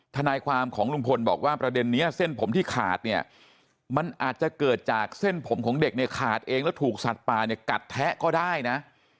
ทนายความของลุงพลบอกว่าประเด็นนี้เส้นผมที่ขาดเนี่ยมันอาจจะเกิดจากเส้นผมของเด็กเนี่ยขาดเองแล้วถูกสัตว์ป่าเนี่ยกัดแทะก็ได้นะ